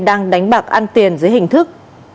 đang đánh bạc ăn tiền dưới hình thức